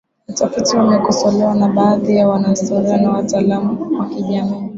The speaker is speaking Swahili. utafiti huo umekosolewa na baadhi ya wanahistoria na wataalamu wa kijamii